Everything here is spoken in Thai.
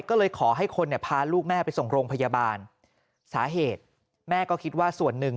ก็เลยขอให้คนเนี่ยพาลูกแม่ไปส่งโรงพยาบาลสาเหตุแม่ก็คิดว่าส่วนหนึ่ง